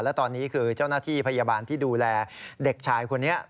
และตอนนี้คือเจ้าหน้าที่พยาบาลที่ดูแลเด็กชายคนนี้